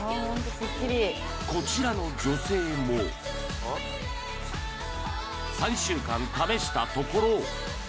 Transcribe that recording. こちらの女性も３週間試したところ